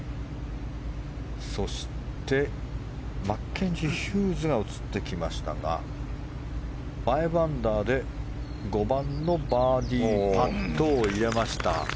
そしてマッケンジー・ヒューズが映ってきましたが５アンダーで５番のバーディーパットを入れました。